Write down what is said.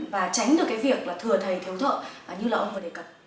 và tránh được cái việc là thừa thầy thiếu thợ như là ông vừa đề cập